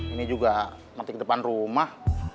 ini juga matik depan rumah